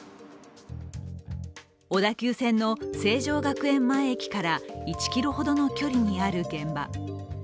小田急線の成城学園前駅から１ｋｍほどの距離にある現場。